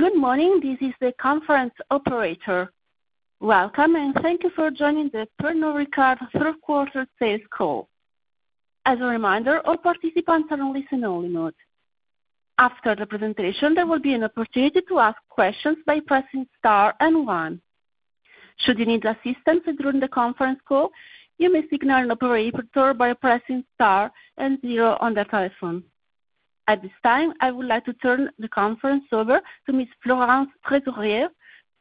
Good morning, this is the conference operator. Welcome, and thank you for joining the Pernod Ricard Third Quarter Sales Call. As a reminder, all participants are in listen-only mode. After the presentation, there will be an opportunity to ask questions by pressing star and one. Should you need assistance during the conference call, you may signal an operator by pressing star and zero on their telephone. At this time, I would like to turn the conference over to Ms. Florence Tresarrieu,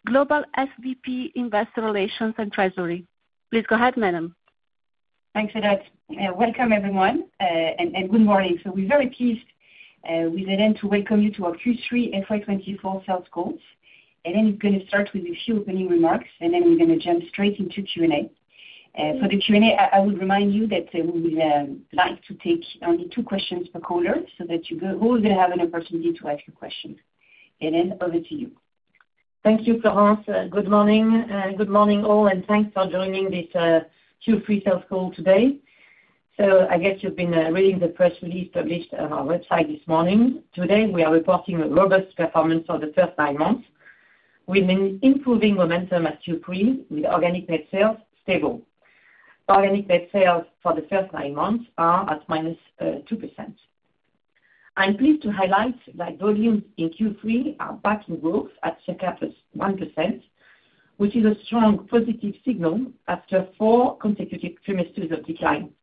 Global SVP Investor Relations and Treasury. Please go ahead, madam. Thanks, Edda. Welcome, everyone, and good morning. We're very pleased with Hélène to welcome you to our Q3 FY24 sales calls. Hélène is going to start with a few opening remarks, and then we're going to jump straight into Q&A. For the Q&A, I would remind you that we would like to take only two questions per caller so that you're all going to have an opportunity to ask your questions. Hélène, over to you. Thank you, Florence. Good morning. Good morning, all, and thanks for joining this Q3 sales call today. So I guess you've been reading the press release published on our website this morning. Today, we are reporting a robust performance for the first nine months. We've been improving momentum at Q3 with organic net sales stable. Organic net sales for the first nine months are at -2%. I'm pleased to highlight that volumes in Q3 are back in growth at circa +1%, which is a strong positive signal after four consecutive trimesters of decline.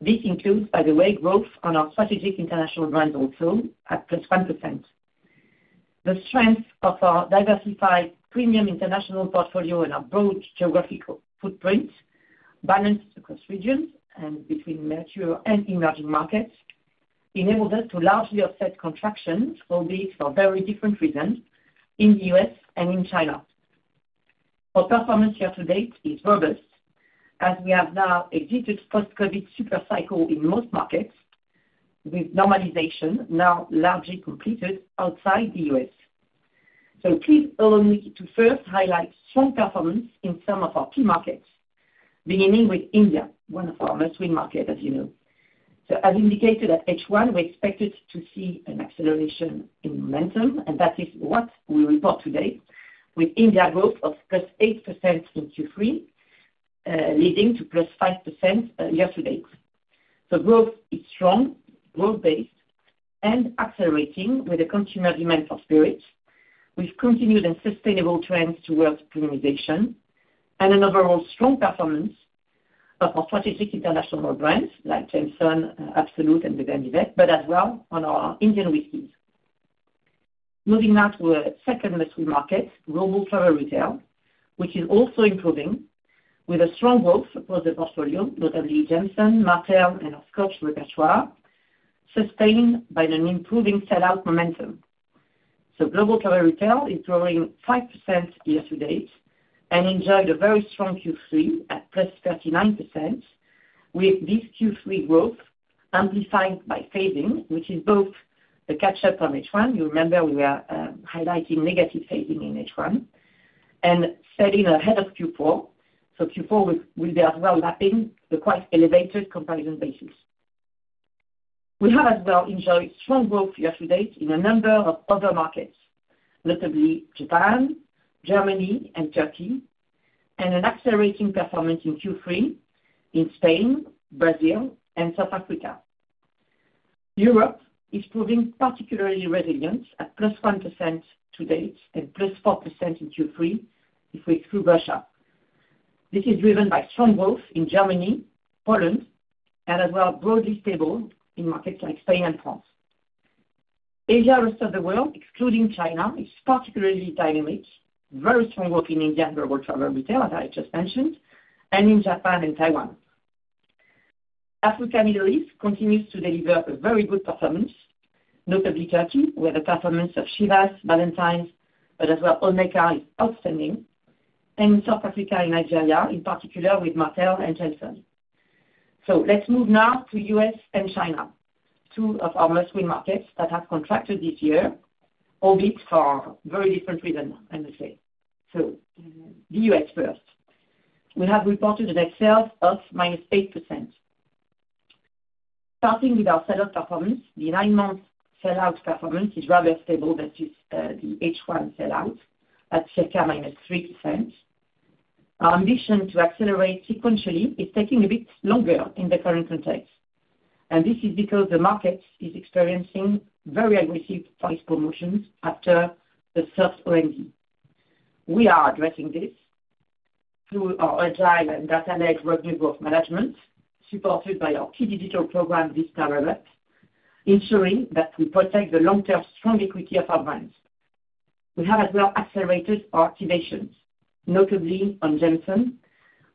This includes, by the way, growth on our strategic international brands also at +1%. The strength of our diversified premium international portfolio and our broad geographical footprint, balanced across regions and between mature and emerging markets, enabled us to largely offset contraction, albeit for very different reasons, in the U.S. and in China. Our performance year-to-date is robust as we have now exited post-COVID supercycle in most markets, with normalization now largely completed outside the U.S. So please allow me to first highlight strong performance in some of our key markets, beginning with India, one of our most winning markets, as you know. So as indicated at H1, we expected to see an acceleration in momentum, and that is what we report today, with India growth of +8% in Q3, leading to +5% year-to-date. So growth is strong, growth-based, and accelerating with a consumer demand for spirits, with continued and sustainable trends towards premiumization, and an overall strong performance of our strategic international brands like Jameson, Absolut, and The Glenlivet, but as well on our Indian whiskies. Moving now to our second most winning market, global travel retail, which is also improving with a strong growth across the portfolio, notably Jameson, Martell, and our Scotch repertoire, sustained by an improving sellout momentum. So global travel retail is growing 5% year-to-date and enjoyed a very strong Q3 at +39%, with this Q3 growth amplified by phasing, which is both a catch-up from H1 - you remember we were highlighting negative phasing in H1 - and setting ahead of Q4. So Q4 will be as well lapping the quite elevated comparison basis. We have as well enjoyed strong growth year-to-date in a number of other markets, notably Japan, Germany, and Turkey, and an accelerating performance in Q3 in Spain, Brazil, and South Africa. Europe is proving particularly resilient at +1% to date and +4% in Q3 if we exclude Russia. This is driven by strong growth in Germany, Poland, and as well broadly stable in markets like Spain and France. Asia and the rest of the world, excluding China, is particularly dynamic, very strong growth in India and global travel retail, as I just mentioned, and in Japan and Taiwan. Africa Middle East continues to deliver a very good performance, notably Turkey where the performance of Chivas, Ballantine's, but as well Olmeca is outstanding, and South Africa and Nigeria in particular with Martell and Jameson. So let's move now to US and China, two of our most winning markets that have contracted this year, albeit for very different reasons, I must say. So the US first. We have reported a net sales of -8%. Starting with our sellout performance, the nine-month sellout performance is rather stable versus the H1 sellout at circa -3%. Our ambition to accelerate sequentially is taking a bit longer in the current context, and this is because the market is experiencing very aggressive price promotions after the soft OND. We are addressing this through our agile and data-led revenue growth management supported by our key digital program, Vista Revert, ensuring that we protect the long-term strong equity of our brands. We have as well accelerated our activations, notably on Jameson,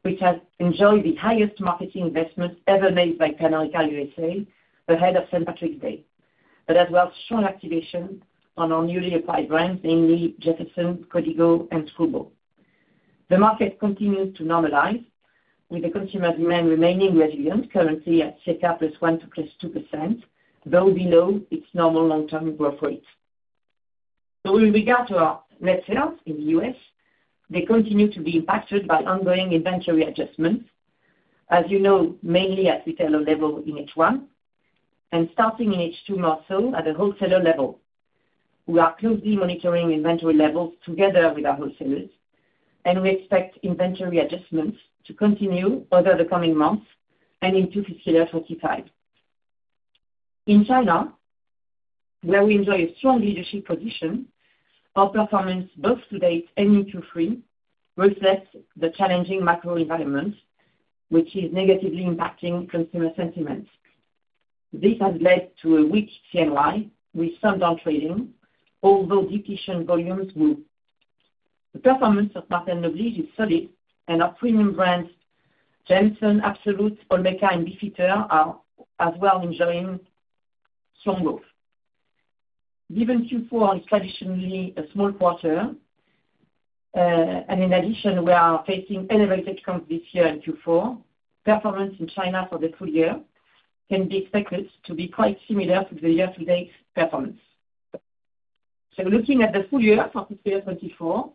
which has enjoyed the highest marketing investment ever made by Pernod Ricard USA ahead of St. Patrick's Day, but as well strong activation on our newly acquired brands, namely Jefferson's, Código, and Skrewball. The market continues to normalize with the consumer demand remaining resilient, currently at circa +1% to +2%, though below its normal long-term growth rate. So with regard to our net sales in the US, they continue to be impacted by ongoing inventory adjustments, as you know, mainly at retailer level in H1 and starting in H2 more so at the wholesaler level. We are closely monitoring inventory levels together with our wholesalers, and we expect inventory adjustments to continue over the coming months and into fiscal year 2025. In China, where we enjoy a strong leadership position, our performance both to date and in Q3 reflects the challenging macro environment, which is negatively impacting consumer sentiment. This has led to a weak CNY with some downtrading, although depletion volumes move. The performance of Martell and Noblige is solid, and our premium brands Jameson, Absolut, Olmeca, and Beefeater are as well enjoying strong growth. Given Q4 is traditionally a small quarter, and in addition, we are facing elevated comps this year in Q4, performance in China for the full year can be expected to be quite similar to the year-to-date performance. Looking at the full year for fiscal year 2024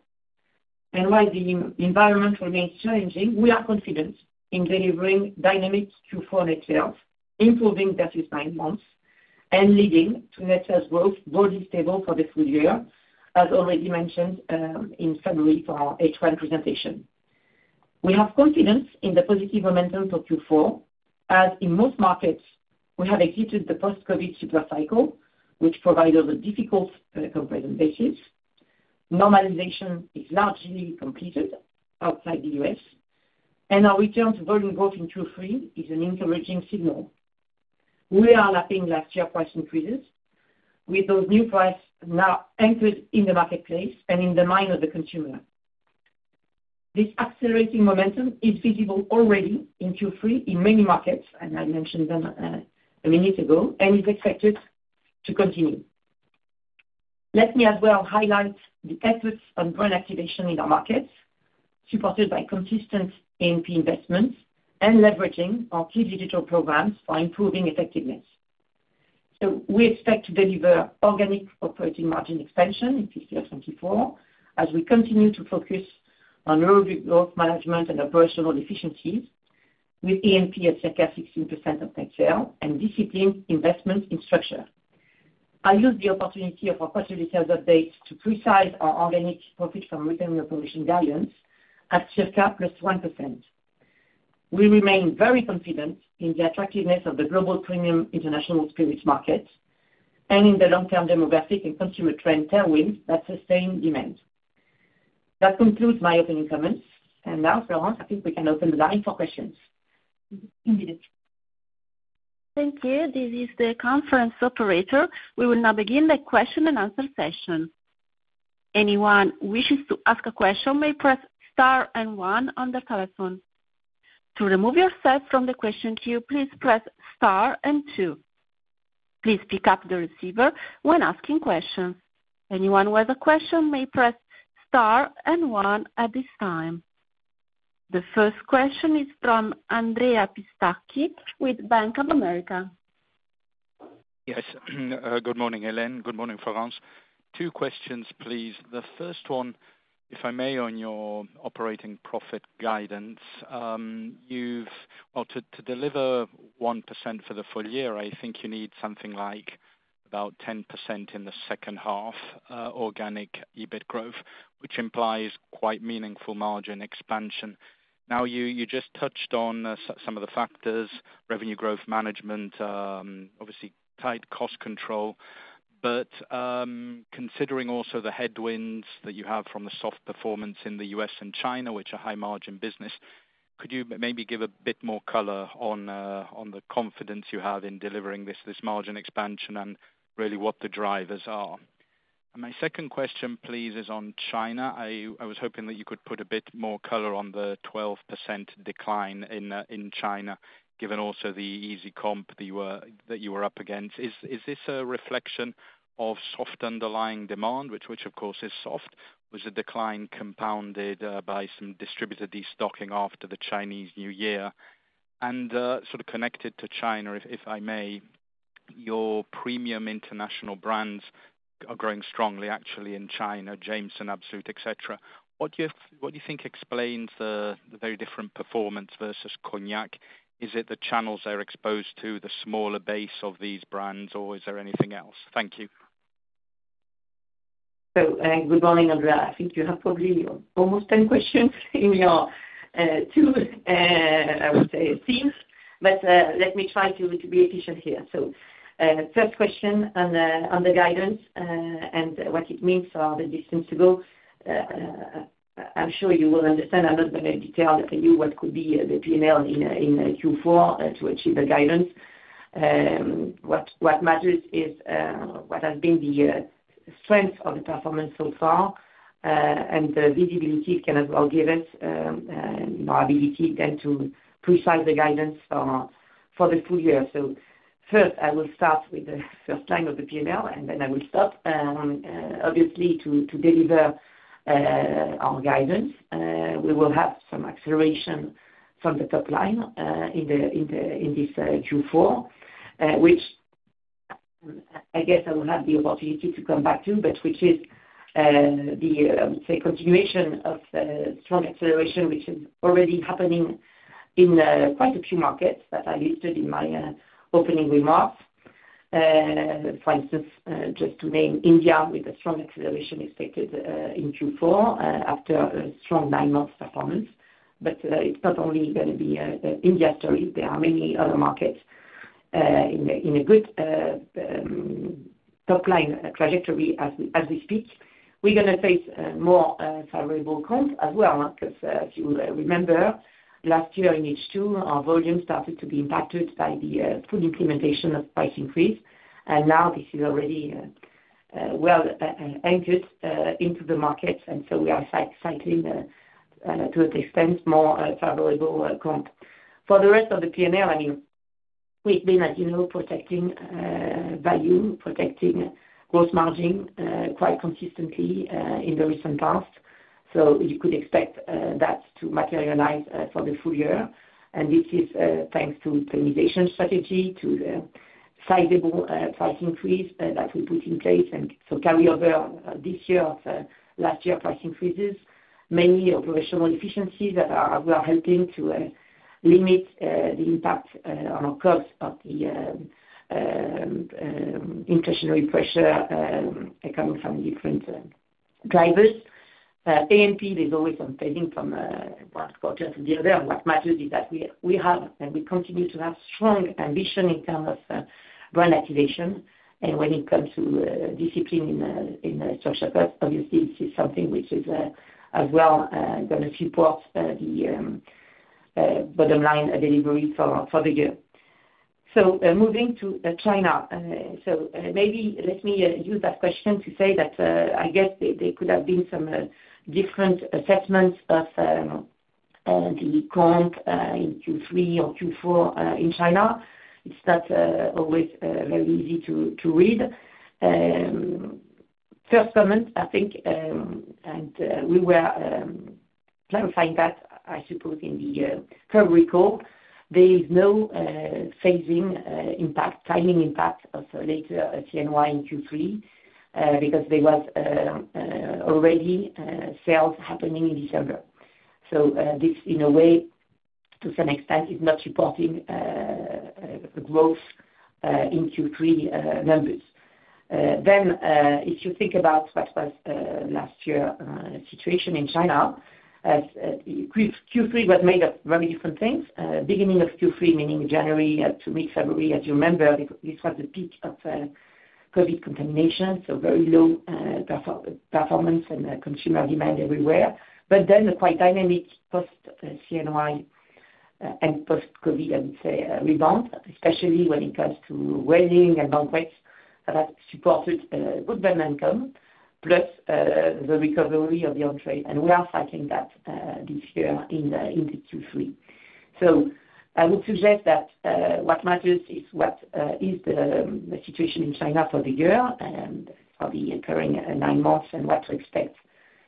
and why the environment remains challenging, we are confident in delivering dynamic Q4 net sales, improving versus nine months, and leading to net sales growth broadly stable for the full year, as already mentioned in February for our H1 presentation. We have confidence in the positive momentum for Q4 as in most markets, we have exited the post-COVID supercycle, which provided a difficult comparison basis. Normalization is largely completed outside the U.S., and our return to volume growth in Q3 is an encouraging signal. We are lapping last year's price increases with those new prices now anchored in the marketplace and in the mind of the consumer. This accelerating momentum is visible already in Q3 in many markets, and I mentioned them a minute ago, and is expected to continue. Let me as well highlight the efforts on brand activation in our markets supported by consistent A&P investments and leveraging our key digital programs for improving effectiveness. So we expect to deliver organic operating margin expansion in fiscal year 2024 as we continue to focus on revenue growth management and operational efficiencies with A&P at circa 16% of net sales and disciplined investments in structure. I use the opportunity of our quarterly sales updates to precise our organic profit from recurring operations guidance at circa +1%. We remain very confident in the attractiveness of the global premium international spirits market and in the long-term demographic and consumer trend tailwinds that sustain demand. That concludes my opening comments, and now, Florence, I think we can open the line for questions. Indeed. Thank you. This is the conference operator. We will now begin the question-and-answer session. Anyone wishing to ask a question may press star and one on their telephone. To remove yourself from the question queue, please press star and two. Please pick up the receiver when asking questions. Anyone with a question may press star and one at this time. The first question is from Andrea Pistacchi with Bank of America. Yes. Good morning, Hélène. Good morning, Florence. Two questions, please. The first one, if I may, on your operating profit guidance. Well, to deliver 1% for the full year, I think you need something like about 10% in the second half organic EBIT growth, which implies quite meaningful margin expansion. Now, you just touched on some of the factors: revenue growth management, obviously tight cost control, but considering also the headwinds that you have from the soft performance in the U.S. and China, which are high-margin business, could you maybe give a bit more color on the confidence you have in delivering this margin expansion and really what the drivers are? And my second question, please, is on China. I was hoping that you could put a bit more color on the 12% decline in China, given also the easy comp that you were up against. Is this a reflection of soft underlying demand, which, of course, is soft? Was the decline compounded by some distributor destocking after the Chinese New Year? And sort of connected to China, if I may, your premium international brands are growing strongly, actually, in China: Jameson, Absolut, etc. What do you think explains the very different performance versus Cognac? Is it the channels they're exposed to, the smaller base of these brands, or is there anything else? Thank you. So good morning, Andrea. I think you have probably almost 10 questions in your two, I would say, themes, but let me try to be efficient here. So first question on the guidance and what it means for the distance to go. I'm sure you will understand. I'm not going to detail for you what could be the P&L in Q4 to achieve the guidance. What matters is what has been the strength of the performance so far, and the visibility can as well give us our ability then to precise the guidance for the full year. So first, I will start with the first line of the P&L, and then I will stop. Obviously, to deliver our guidance, we will have some acceleration from the top line in this Q4, which I guess I will have the opportunity to come back to, but which is the, I would say, continuation of strong acceleration, which is already happening in quite a few markets that I listed in my opening remarks. For instance, just to name, India with a strong acceleration expected in Q4 after a strong nine-month performance. But it's not only going to be India's story. There are many other markets in a good top line trajectory as we speak. We're going to face more favorable comps as well because, as you remember, last year in H2, our volume started to be impacted by the full implementation of price increase, and now this is already well anchored into the markets. And so we are cycling, to an extent, more favorable comps. For the rest of the P&L, I mean, we've been, as you know, protecting value, protecting gross margin quite consistently in the recent past. So you could expect that to materialize for the full year. And this is thanks to premiumization strategy, to the sizable price increase that we put in place and so carry over this year's last year price increases, many operational efficiencies that were helping to limit the impact on our COGS of the inflationary pressure coming from different drivers. A&P, there's always some phasing from one quarter to the other. What matters is that we have and we continue to have strong ambition in terms of brand activation. And when it comes to discipline in structure costs, obviously, this is something which is as well going to support the bottom line delivery for the year. So moving to China. So maybe let me use that question to say that I guess there could have been some different assessments of the comp in Q3 or Q4 in China. It's not always very easy to read. First comment, I think, and we were clarifying that, I suppose, in the Q3 call, there is no phasing impact, timing impact of later CNY in Q3 because there was already sales happening in December. So this, in a way, to some extent, is not supporting growth in Q3 numbers. Then if you think about what was last year's situation in China, Q3 was made of very different things. Beginning of Q3, meaning January to mid-February, as you remember, this was the peak of COVID contamination, so very low performance and consumer demand everywhere. But then the quite dynamic post-CNY and post-COVID, I would say, rebound, especially when it comes to weddings and banquets, that supported good brand momentum plus the recovery of the on-trade. We are cycling that this year into Q3. So I would suggest that what matters is what is the situation in China for the year and for the first nine months and what to expect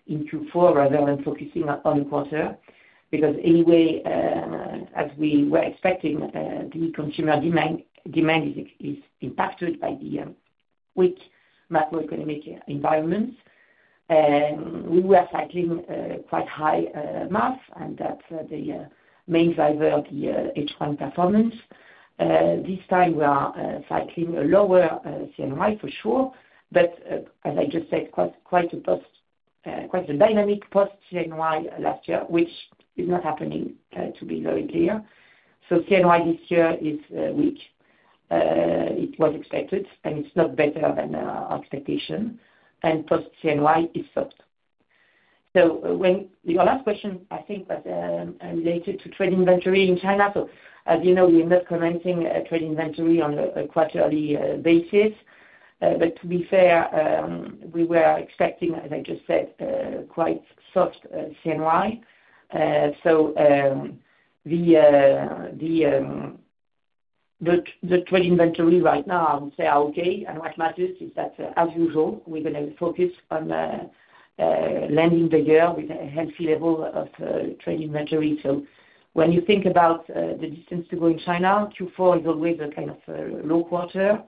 in Q4 rather than focusing on the quarter because anyway, as we were expecting, the consumer demand is impacted by the weak macroeconomic environment. We were cycling quite high comps, and that the main driver, the H1 performance. This time, we are cycling a lower CNY for sure, but as I just said, quite a dynamic post-CNY last year, which is not happening, to be very clear. So CNY this year is weak. It was expected, and it's not better than our expectation. And post-CNY is soft. So your last question, I think, was related to trade inventory in China. So as you know, we are not commenting trade inventory on a quarterly basis. But to be fair, we were expecting, as I just said, quite soft CNY. So the trade inventory right now, I would say, are okay. And what matters is that, as usual, we're going to focus on landing the year with a healthy level of trade inventory. So when you think about the distance to go in China, Q4 is always a kind of low quarter.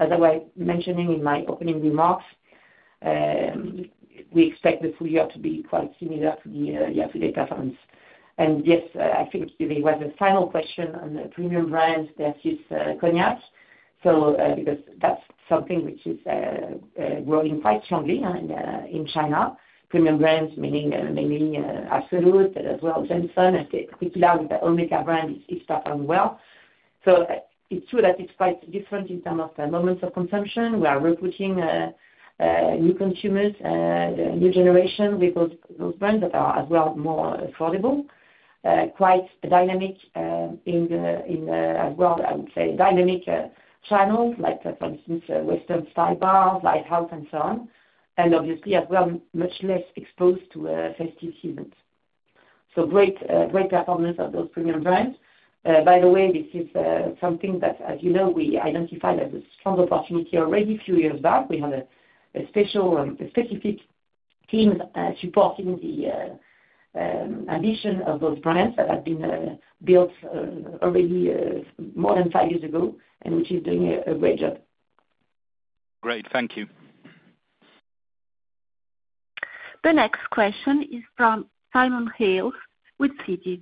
As I was mentioning in my opening remarks, we expect the full year to be quite similar to the year-to-date performance. Yes, I think there was a final question on premium brands versus Cognac because that's something which is growing quite strongly in China. Premium brands, meaning mainly Absolut as well, Jameson, particularly the Olmeca brand, is performing well. So it's true that it's quite different in terms of moments of consumption. We are recruiting new consumers, the new generation with those brands that are as well more affordable, quite dynamic in as well, I would say, dynamic channels like, for instance, Western style bars, lighthouse, and so on, and obviously as well much less exposed to festive seasons. So great performance of those premium brands. By the way, this is something that, as you know, we identified as a strong opportunity already a few years back. We had a specific team supporting the ambition of those brands that had been built already more than five years ago and which is doing a great job. Great. Thank you. The next question is from Simon Hales with Citi.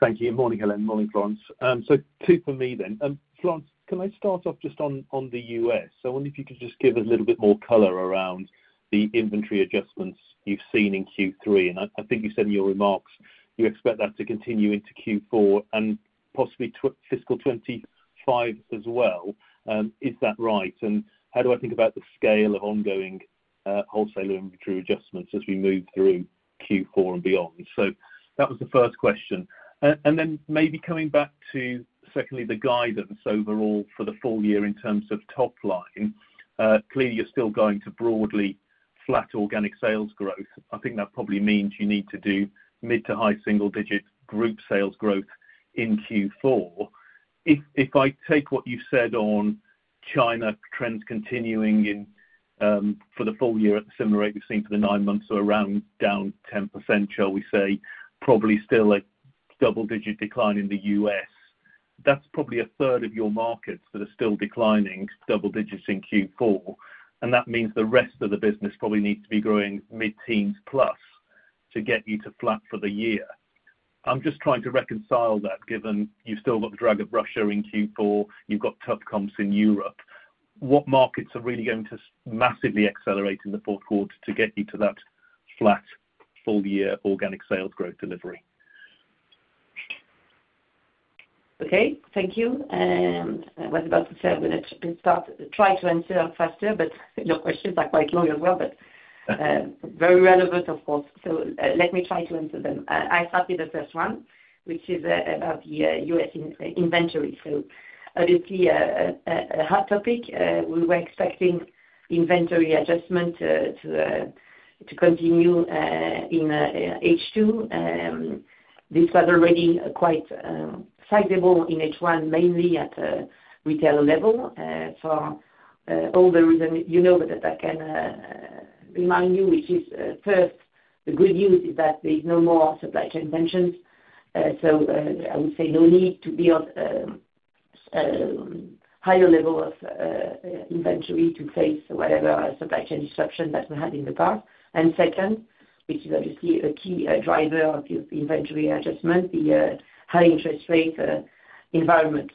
Thank you. Good morning, Hélène. Good morning, Florence. So two for me then. Florence, can I start off just on the US? I wonder if you could just give us a little bit more color around the inventory adjustments you've seen in Q3. And I think you said in your remarks you expect that to continue into Q4 and possibly fiscal 2025 as well. Is that right? And how do I think about the scale of ongoing wholesaler inventory adjustments as we move through Q4 and beyond? So that was the first question. And then maybe coming back to, secondly, the guidance overall for the full year in terms of top line. Clearly, you're still going to broadly flat organic sales growth. I think that probably means you need to do mid- to high single-digit group sales growth in Q4. If I take what you've said on China trends continuing for the full year at the similar rate we've seen for the nine months or around down 10%, shall we say, probably still a double-digit decline in the US, that's probably a third of your markets that are still declining, double-digits in Q4. That means the rest of the business probably needs to be growing mid-teens-plus to get you to flat for the year. I'm just trying to reconcile that given you've still got the drag of Russia in Q4. You've got tough comps in Europe. What markets are really going to massively accelerate in the fourth quarter to get you to that flat full-year organic sales growth delivery? Okay. Thank you. I was about to say I'm going to try to answer faster, but your questions are quite long as well, but very relevant, of course. Let me try to answer them. I start with the first one, which is about the U.S. inventory. Obviously, a hot topic. We were expecting inventory adjustment to continue in H2. This was already quite sizable in H1, mainly at retail level. For all the reasons you know, but that I can remind you, which is first, the good news is that there's no more supply chain tensions. I would say no need to build a higher level of inventory to face whatever supply chain disruption that we had in the past. And second, which is obviously a key driver of the inventory adjustment, the high interest rate environment.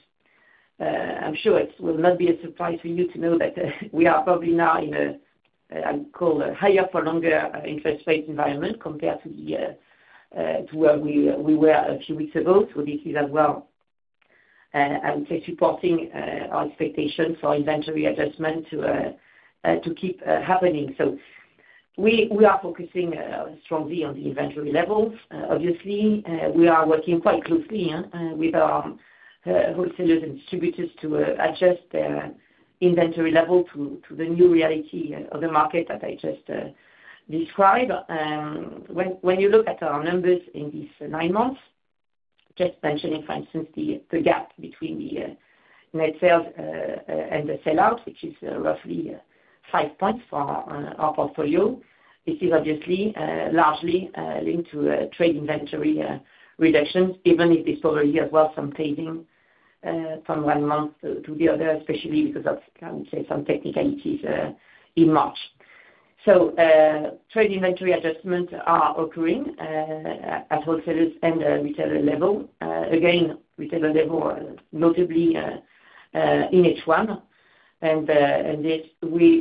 I'm sure it will not be a surprise for you to know that we are probably now in a, I'd call, higher-for-longer interest rate environment compared to where we were a few weeks ago. So this is as well, I would say, supporting our expectations for inventory adjustment to keep happening. So we are focusing strongly on the inventory levels. Obviously, we are working quite closely with our wholesalers and distributors to adjust their inventory level to the new reality of the market that I just described. When you look at our numbers in these nine months, just mentioning, for instance, the gap between the net sales and the sellout, which is roughly 5 points for our portfolio, this is obviously largely linked to trade inventory reductions, even if there's probably as well some phasing from one month to the other, especially because of, I would say, some technicalities in March. So trade inventory adjustments are occurring at wholesalers and retailer level. Again, retailer level, notably in H1. And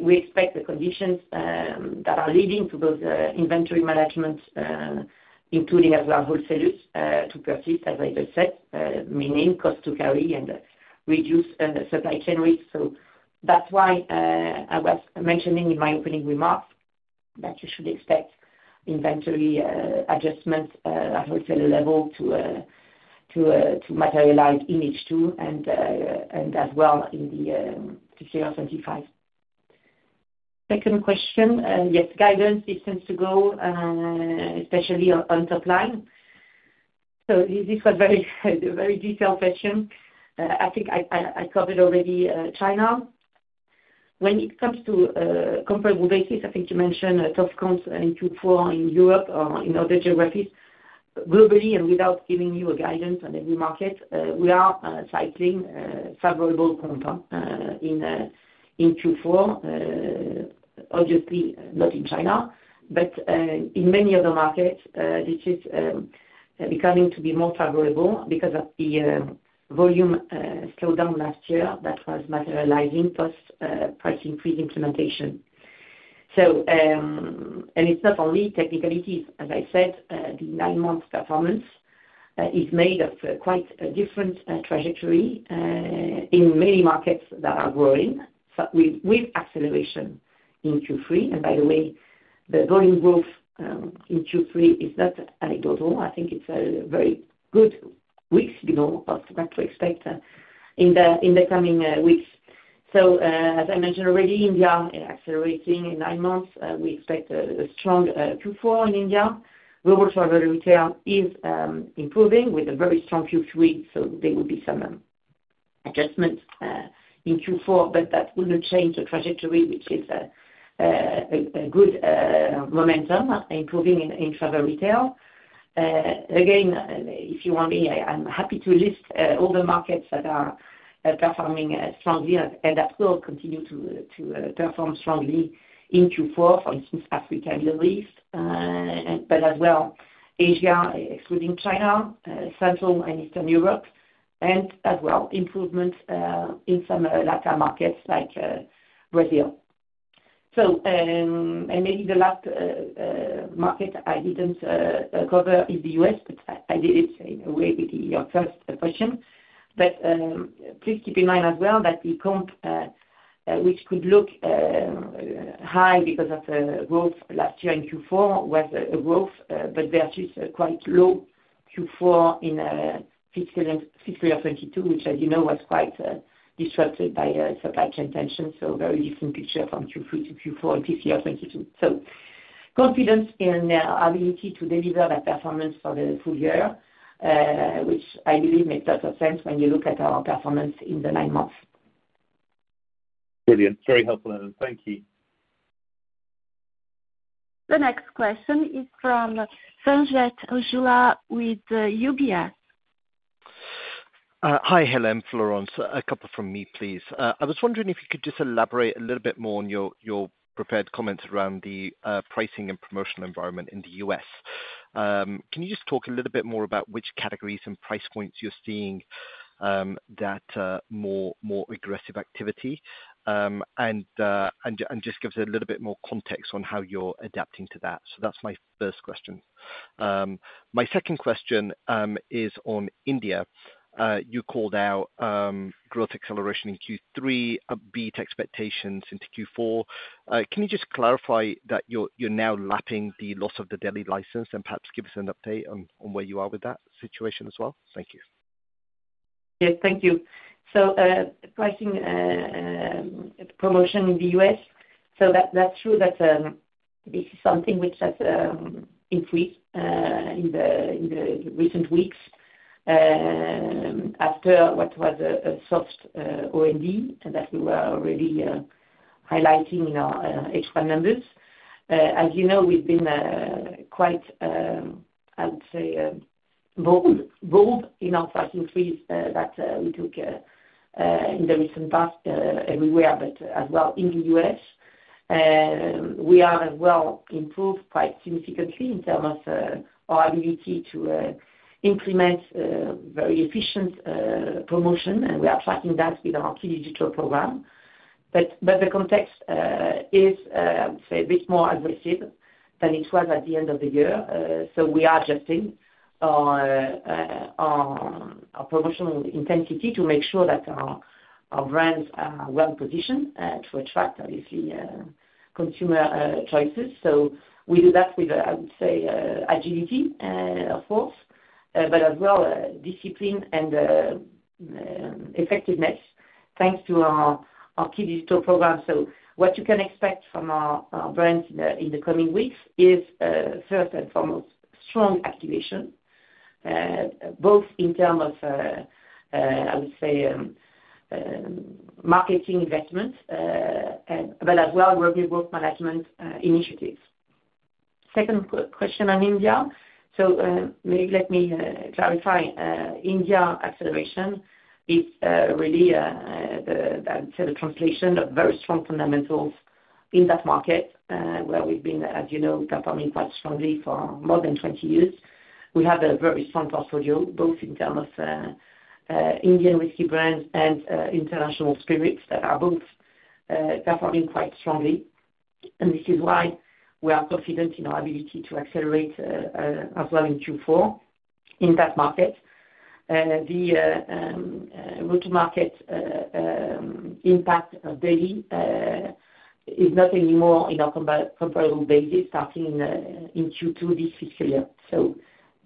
we expect the conditions that are leading to those inventory management, including as well wholesalers, to persist, as I just said, meaning cost to carry and reduce supply chain risks. So that's why I was mentioning in my opening remarks that you should expect inventory adjustments at wholesaler level to materialize in H2 and as well in the fiscal year 2025. Second question. Yes, guidance, distance to go, especially on top line. So this was a very detailed question. I think I covered already China. When it comes to comparable basis, I think you mentioned tough comps in Q4 in Europe or in other geographies. Globally, and without giving you a guidance on every market, we are cycling favorable comps in Q4, obviously not in China, but in many other markets, this is beginning to be more favorable because of the volume slowdown last year that was materializing post-price increase implementation. And it's not only technicalities. As I said, the nine-month performance is made of quite a different trajectory in many markets that are growing with acceleration in Q3. And by the way, the volume growth in Q3 is not anecdotal. I think it's a very good sign of what to expect in the coming weeks. So as I mentioned already, India accelerating in nine months. We expect a strong Q4 in India. Global travel retail is improving with a very strong Q3. So there will be some adjustments in Q4, but that will not change the trajectory, which is a good momentum, improving in travel retail. Again, if you want me, I'm happy to list all the markets that are performing strongly and that will continue to perform strongly in Q4, for instance, Africa, Middle East, but as well Asia, excluding China, Central and Eastern Europe, and as well improvements in some Latin markets like Brazil. And maybe the last market I didn't cover is the US, but I did it in a way with your first question. But please keep in mind as well that the comp, which could look high because of growth last year in Q4, was a growth, but there's just a quite low Q4 in fiscal year 2022, which, as you know, was quite disrupted by supply chain tensions. So very different picture from Q3 to Q4 in fiscal year 2022. So confidence in our ability to deliver that performance for the full year, which I believe makes a lot of sense when you look at our performance in the nine months. Brilliant. Very helpful, Hélène. Thank you. The next question is from Sanjeet Aujila with UBS. Hi, Hélène, Florence. A couple from me, please. I was wondering if you could just elaborate a little bit more on your prepared comments around the pricing and promotional environment in the U.S. Can you just talk a little bit more about which categories and price points you're seeing that more aggressive activity and just give us a little bit more context on how you're adapting to that? So that's my first question. My second question is on India. You called out growth acceleration in Q3, a beat expectations into Q4. Can you just clarify that you're now lapping the loss of the Delhi license and perhaps give us an update on where you are with that situation as well? Thank you. Yes. Thank you. So pricing promotion in the US, so that's true that this is something which has increased in the recent weeks after what was a soft OND that we were already highlighting in our H1 numbers. As you know, we've been quite, I would say, bold in our price increase that we took in the recent past everywhere, but as well in the US. We are as well improved quite significantly in terms of our ability to implement very efficient promotion, and we are tracking that with our key digital program. But the context is, I would say, a bit more aggressive than it was at the end of the year. So we are adjusting our promotional intensity to make sure that our brands are well positioned to attract, obviously, consumer choices. So we do that with, I would say, agility, of course, but as well discipline and effectiveness thanks to our key digital program. So what you can expect from our brands in the coming weeks is, first and foremost, strong activation, both in terms of, I would say, marketing investment, but as well revenue growth management initiatives. Second question on India. So maybe let me clarify. India acceleration is really, I would say, the translation of very strong fundamentals in that market where we've been, as you know, performing quite strongly for more than 20 years. We have a very strong portfolio, both in terms of Indian whisky brands and international spirits that are both performing quite strongly. And this is why we are confident in our ability to accelerate as well in Q4 in that market. The route-to-market impact of Delhi is not anymore in our comparable basis starting in Q2 this fiscal year.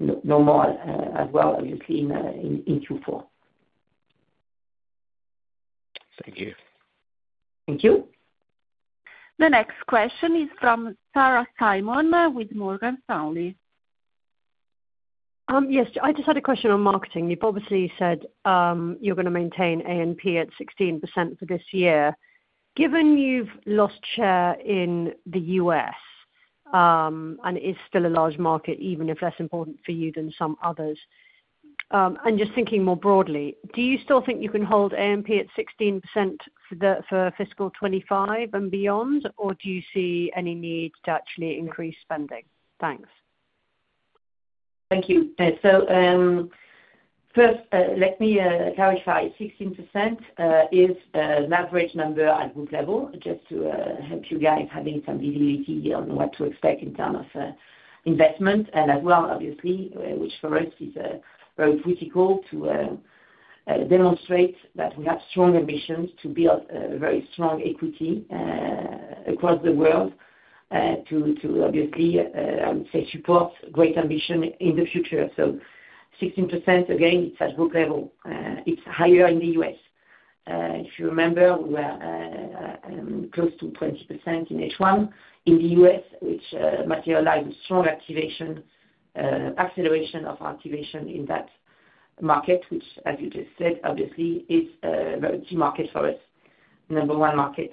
No more as well, obviously, in Q4. Thank you. Thank you. The next question is from Sarah Simon with Morgan Stanley. Yes. I just had a question on marketing. You've obviously said you're going to maintain A&P at 16% for this year. Given you've lost share in the U.S., and it is still a large market even if less important for you than some others, and just thinking more broadly, do you still think you can hold A&P at 16% for fiscal 2025 and beyond, or do you see any need to actually increase spending? Thanks. Thank you. First, let me clarify. 16% is an average number at group level just to help you guys having some visibility on what to expect in terms of investment and as well, obviously, which for us is very critical to demonstrate that we have strong ambitions to build very strong equity across the world to, obviously, I would say, support great ambition in the future. 16%, again, it's at group level. It's higher in the U.S. If you remember, we were close to 20% in H1 in the U.S., which materialized a strong acceleration of our activation in that market, which, as you just said, obviously, is a key market for us, number one market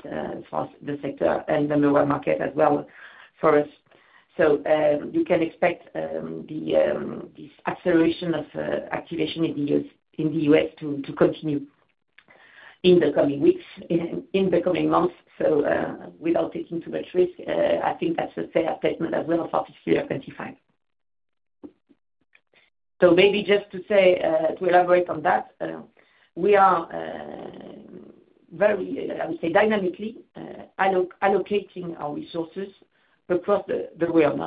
for the sector and number one market as well for us. You can expect this acceleration of activation in the U.S. to continue in the coming weeks, in the coming months. So without taking too much risk, I think that's a fair statement as well for fiscal year 2025. So maybe just to elaborate on that, we are very, I would say, dynamically allocating our resources across the world,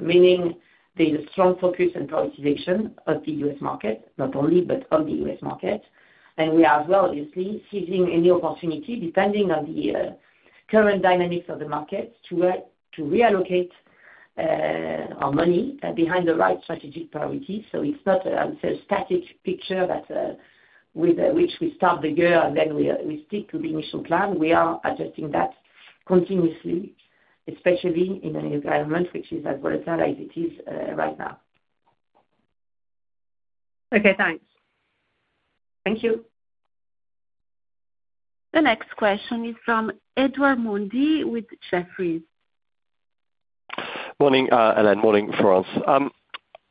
meaning there's a strong focus and prioritization of the U.S. market, not only, but of the U.S. market. And we are as well, obviously, seizing any opportunity depending on the current dynamics of the markets to reallocate our money behind the right strategic priorities. So it's not, I would say, a static picture with which we start the year and then we stick to the initial plan. We are adjusting that continuously, especially in an environment which is as volatile as it is right now. Okay. Thanks. Thank you. The next question is from Edward Mundy with Jefferies. Morning, Hélène. Morning, Florence. I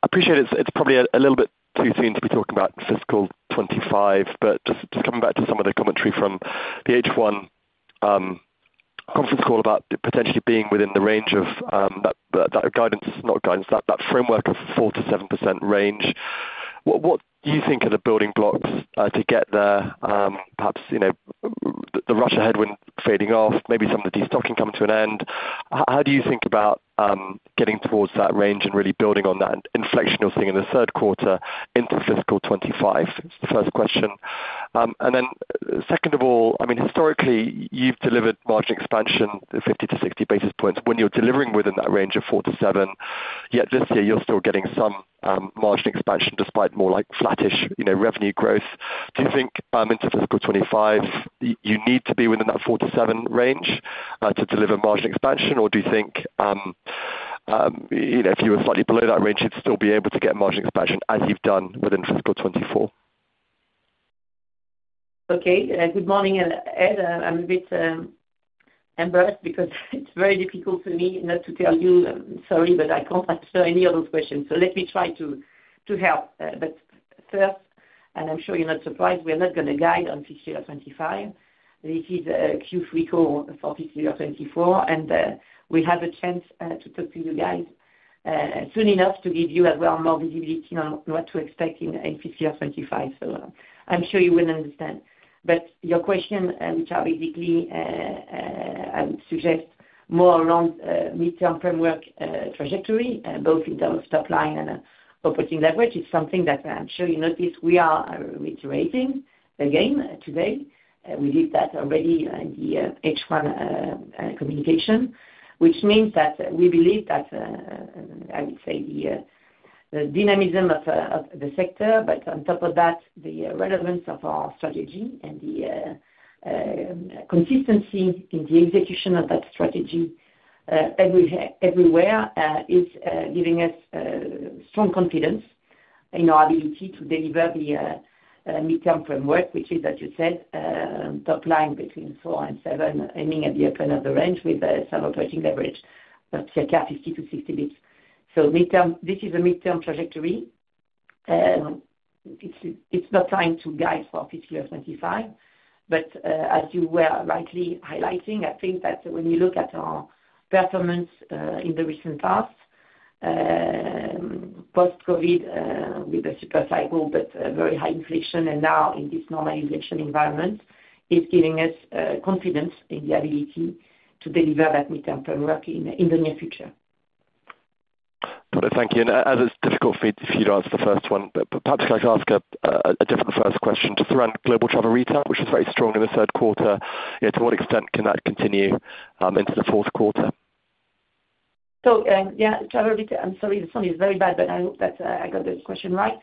appreciate it's probably a little bit too soon to be talking about fiscal 2025, but just coming back to some of the commentary from the H1 conference call about potentially being within the range of that guidance, not guidance, that framework of 4%-7% range. What do you think are the building blocks to get there? Perhaps the Russia headwind fading off, maybe some of the destocking coming to an end. How do you think about getting towards that range and really building on that inflectional thing in the third quarter into fiscal 2025? It's the first question. And then second of all, I mean, historically, you've delivered margin expansion, 50 to 60 basis points. When you're delivering within that range of 4 to 7, yet this year, you're still getting some margin expansion despite more flat-ish revenue growth. Do you think into fiscal 2025, you need to be within that 4-7 range to deliver margin expansion, or do you think if you were slightly below that range, you'd still be able to get margin expansion as you've done within fiscal 2024? Okay. Good morning, Edward. I'm a bit embarrassed because it's very difficult for me not to tell you sorry, but I can't answer any of those questions. So let me try to help. But first, and I'm sure you're not surprised, we are not going to guide on fiscal year 2025. This is Q3 call for fiscal year 2024, and we have a chance to talk to you guys soon enough to give you as well more visibility on what to expect in fiscal year 2025. So I'm sure you will understand. But your question, which are basically, I would suggest, more around midterm framework trajectory, both in terms of top line and operating leverage, is something that I'm sure you noticed we are reiterating again today. We did that already in the H1 communication, which means that we believe that, I would say, the dynamism of the sector, but on top of that, the relevance of our strategy and the consistency in the execution of that strategy everywhere is giving us strong confidence in our ability to deliver the midterm framework, which is, as you said, top line between 4% and 7%, aiming at the top of the range with some operating leverage of circa 50-60 basis points. So this is a midterm trajectory. It's not trying to guide for fiscal year 2025, but as you were rightly highlighting, I think that when you look at our performance in the recent past, post-COVID with the super cycle, but very high inflation, and now in this normalization environment, it's giving us confidence in the ability to deliver that midterm framework in the near future. Brilliant. Thank you. As it's difficult for me if you'd answer the first one, but perhaps can I ask a different first question just around global travel retail, which was very strong in the third quarter. To what extent can that continue into the fourth quarter? So yeah, travel retail. I'm sorry, the sound is very bad, but I hope that I got this question right.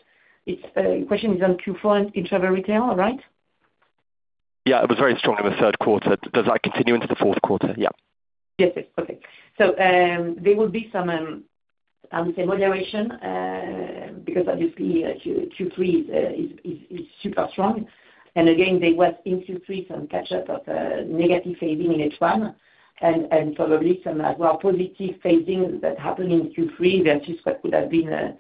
The question is on Q4 in travel retail, right? Yeah. It was very strong in the third quarter. Does that continue into the fourth quarter? Yeah. Yes, yes. Okay. So there will be some, I would say, moderation because, obviously, Q3 is super strong. And again, there was in Q3 some catch-up of negative phasing in H1 and probably some as well positive phasing that happened in Q3 versus what would have been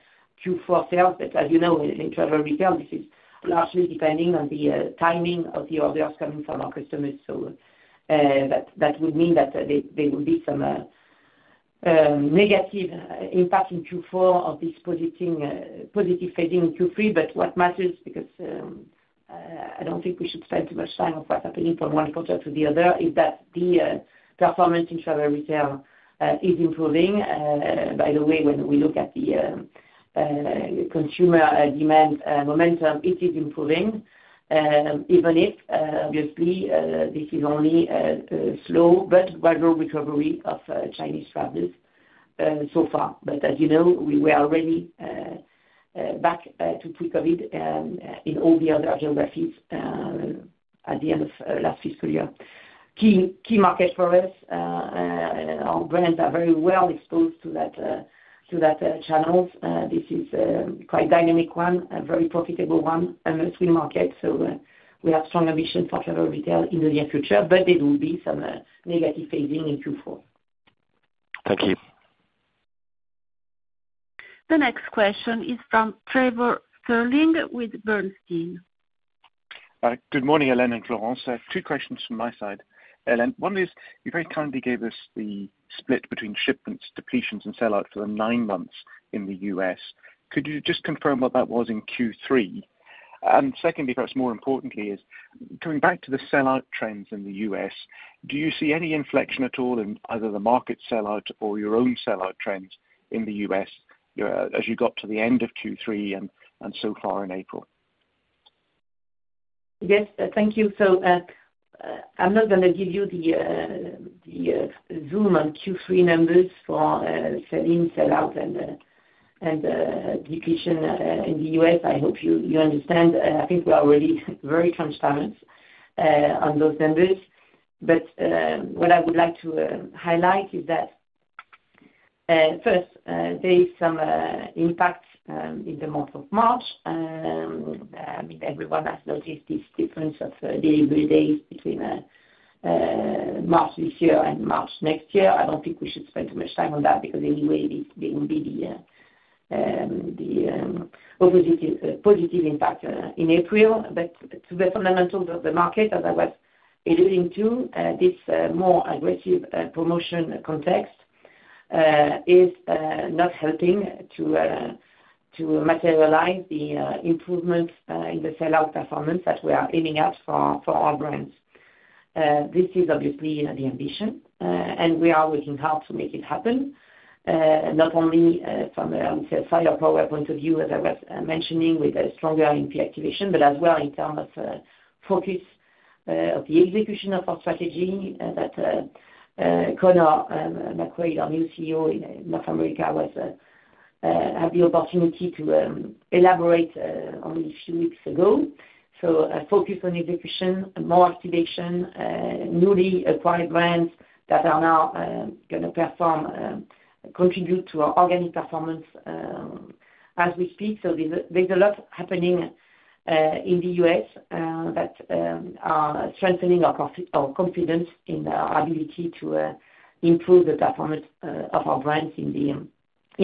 Q4 sales. But as you know, in travel retail, this is largely depending on the timing of the orders coming from our customers. So that would mean that there will be some negative impact in Q4 of this positive phasing in Q3. But what matters, because I don't think we should spend too much time on what's happening from one quarter to the other, is that the performance in travel retail is improving. By the way, when we look at the consumer demand momentum, it is improving, even if, obviously, this is only a slow but gradual recovery of Chinese travelers so far. But as you know, we were already back to pre-COVID in all the other geographies at the end of last fiscal year. Key market for us, our brands are very well exposed to that channel. This is quite a dynamic one, a very profitable one, a swing market. So we have strong ambition for travel retail in the near future, but there will be some negative phasing in Q4. Thank you. The next question is from Trevor Stirling with Bernstein. Good morning, Hélène and Florence. Two questions from my side. Hélène, one is you very kindly gave us the split between shipments, depletions, and sellouts for the nine months in the US. Could you just confirm what that was in Q3? And secondly, perhaps more importantly, is coming back to the sellout trends in the US, do you see any inflection at all in either the market sellout or your own sellout trends in the US as you got to the end of Q3 and so far in April? Yes. Thank you. So I'm not going to give you the zoom on Q3 numbers for sell-in, sellout, and depletion in the US. I hope you understand. I think we are already very transparent on those numbers. But what I would like to highlight is that, first, there is some impact in the month of March. I mean, everyone has noticed this difference of delivery days between March this year and March next year. I don't think we should spend too much time on that because, anyway, there will be the positive impact in April. But to the fundamentals of the market, as I was alluding to, this more aggressive promotion context is not helping to materialize the improvement in the sellout performance that we are aiming at for our brands. This is, obviously, the ambition, and we are working hard to make it happen, not only from a firepower point of view, as I was mentioning, with a stronger A&P activation, but as well in terms of focus of the execution of our strategy that Conor McQuaid, our new CEO in North America, had the opportunity to elaborate on a few weeks ago. So focus on execution, more activation, newly acquired brands that are now going to contribute to our organic performance as we speak. So there's a lot happening in the U.S. that are strengthening our confidence in our ability to improve the performance of our brands in the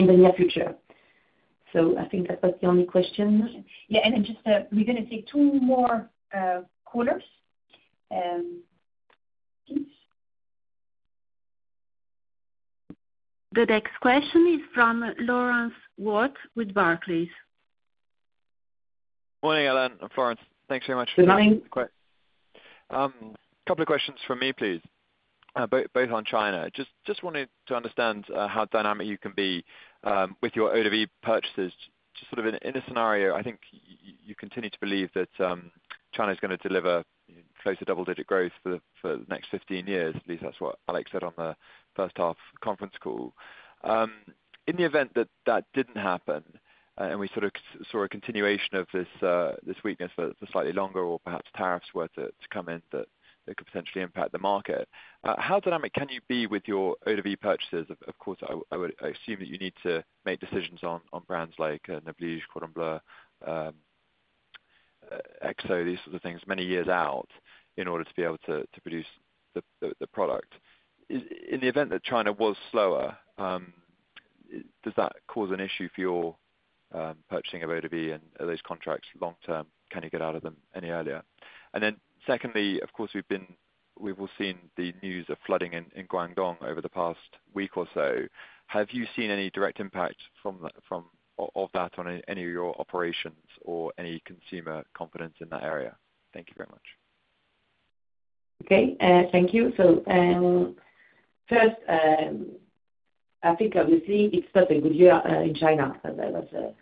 near future. So I think that was the only question. Yeah. Then we're going to take two more callers, please. The next question is from Lawrence Watt with Barclays. Morning, Hélène and Florence. Thanks very much for your time. Good morning. Couple of questions from me, please, both on China. Just wanted to understand how dynamic you can be with your eaux-de-vie purchases. Just sort of in a scenario, I think you continue to believe that China is going to deliver close to double-digit growth for the next 15 years. At least that's what Alex said on the first half conference call. In the event that that didn't happen and we sort of saw a continuation of this weakness for slightly longer or perhaps tariffs were to come in that could potentially impact the market, how dynamic can you be with your eaux-de-vie purchases? Of course, I assume that you need to make decisions on brands like Noblige, Cordon Bleu, XO, these sorts of things many years out in order to be able to produce the product. In the event that China was slower, does that cause an issue for your purchasing of eaux-de-vie and those contracts long-term? Can you get out of them any earlier? And then secondly, of course, we've all seen the news of flooding in Guangdong over the past week or so. Have you seen any direct impact of that on any of your operations or any consumer confidence in that area? Thank you very much. Okay. Thank you. So first, I think, obviously, it's not a good year in China, as I was saying to you.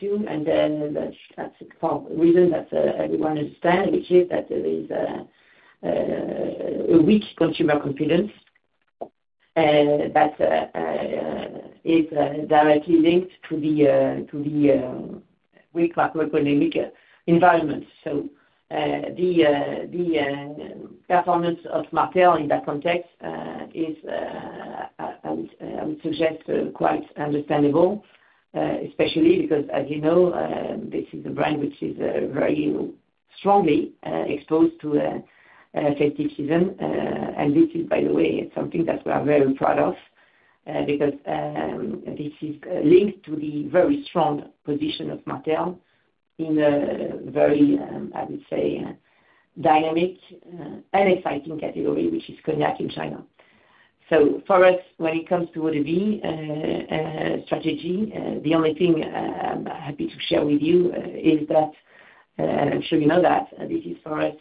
And then that's a reason that everyone understands, which is that there is a weak consumer confidence that is directly linked to the weak macroeconomic environment. So the performance of Martell in that context is, I would suggest, quite understandable, especially because, as you know, this is a brand which is very strongly exposed to festive season. And this is, by the way, something that we are very proud of because this is linked to the very strong position of Martell in a very, I would say, dynamic and exciting category, which is cognac in China. So for us, when it comes to eaux-de-vie strategy, the only thing I'm happy to share with you is that, and I'm sure you know that, this is for us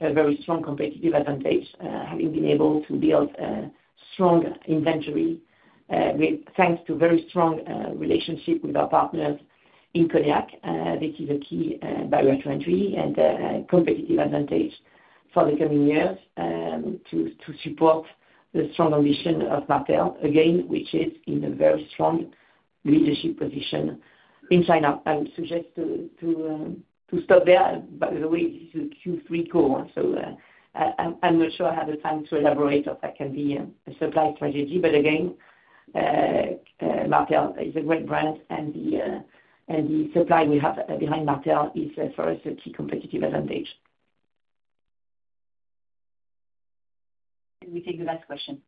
a very strong competitive advantage, having been able to build a strong inventory thanks to a very strong relationship with our partners in cognac. This is a key barrier to entry and a competitive advantage for the coming years to support the strong ambition of Martell, again, which is in a very strong leadership position in China. I would suggest to stop there. By the way, this is a Q3 call, so I'm not sure I have the time to elaborate if that can be a supply strategy. But again, Martell is a great brand, and the supply we have behind Martell is, for us, a key competitive advantage. Can we take the next question?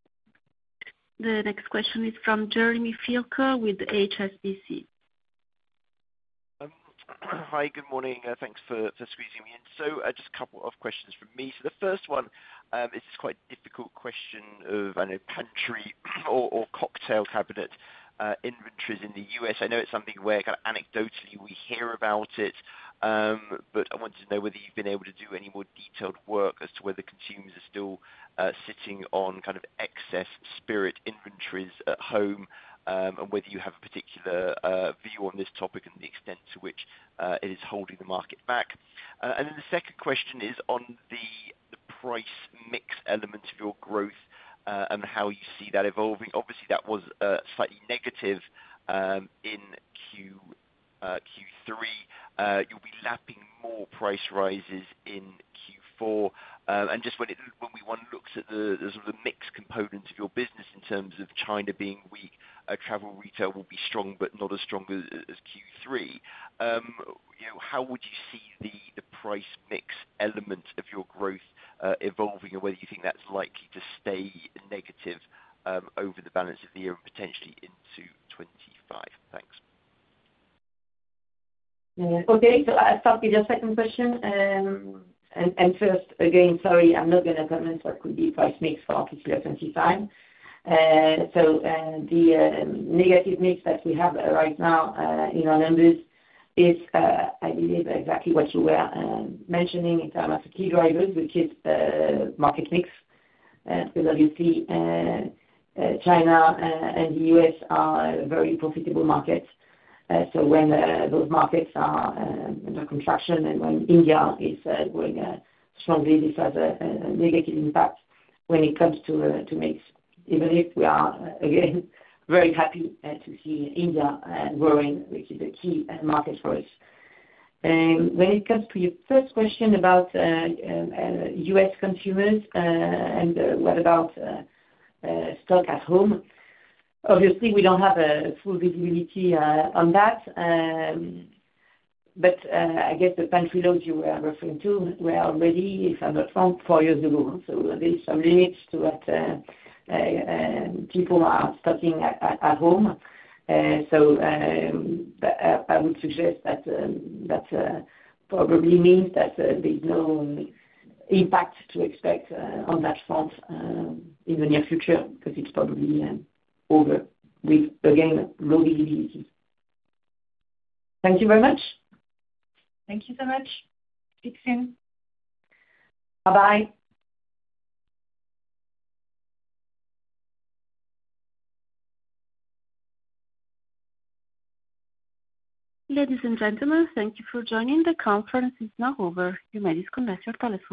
The next question is from Jeremy Fialko with HSBC. Hi. Good morning. Thanks for squeezing me in. So just a couple of questions from me. So the first one is this quite difficult question of pantry or cocktail cabinet inventories in the U.S. I know it's something where, kind of anecdotally, we hear about it, but I wanted to know whether you've been able to do any more detailed work as to whether consumers are still sitting on kind of excess spirit inventories at home and whether you have a particular view on this topic and the extent to which it is holding the market back. And then the second question is on the price mix element of your growth and how you see that evolving. Obviously, that was slightly negative in Q3. You'll be lapping more price rises in Q4. Just when one looks at the sort of mixed components of your business in terms of China being weak, travel retail will be strong but not as strong as Q3. How would you see the price mix element of your growth evolving and whether you think that's likely to stay negative over the balance of the year and potentially into 2025? Thanks. Okay. So I'll start with your second question. And first, again, sorry, I'm not going to comment what could be price mix for our fiscal year 2025. So the negative mix that we have right now in our numbers is, I believe, exactly what you were mentioning in terms of the key drivers, which is market mix. Because, obviously, China and the US are very profitable markets. So when those markets are under contraction and when India is growing strongly, this has a negative impact when it comes to mix, even if we are, again, very happy to see India growing, which is a key market for us. And when it comes to your first question about US consumers and what about stock at home, obviously, we don't have full visibility on that. But I guess the pantry loads you were referring to were already, if I'm not wrong, four years ago. So there's some limits to what people are stocking at home. So I would suggest that probably means that there's no impact to expect on that front in the near future because it's probably over with, again, low visibility. Thank you very much. Thank you so much. Speak soon. Bye-bye. Ladies and gentlemen, thank you for joining. The conference is now over. You may disconnect your telephone.